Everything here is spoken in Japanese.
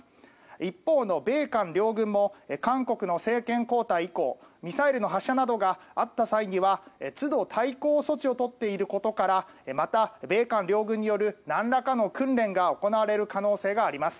一方の米韓両軍も韓国の政権交代以降ミサイルの発射などがあった際にはつど対抗措置を取っていることからまた米韓両軍によるなんらかの訓練が行われる可能性があります。